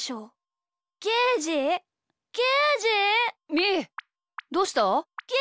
みーどうした！？